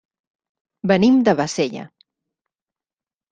Venim de Bassella.